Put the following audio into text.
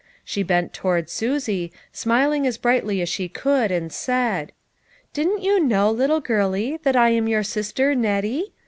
She bent toward Susie, smiling as brightly as she could, and said :" Didn't you know, little girlie, that I was your sister Nettie?